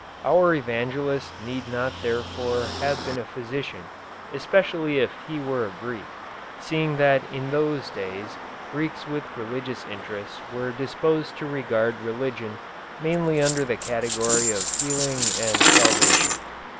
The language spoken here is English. Our evangelist need not therefore have been a physician, especially if he were a Greek, seeing that in those days Greeks with religious interests were disposed to regard religion mainly under the category of healing and salvation.